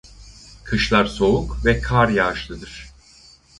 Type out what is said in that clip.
Kışlar soğuk ve kar yağışlıdır.